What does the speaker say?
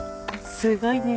すごいね。